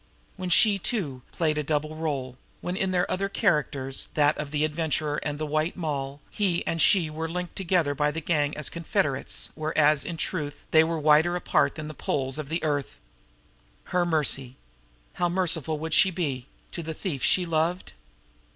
When she, too, played a double role; when in their other characters, that of the Adventurer and the White Moll, he and she were linked together by the gang as confederates, whereas, in truth, they were wider apart than the poles of the earth! Her mercy! How merciful would she be to the thief she loved?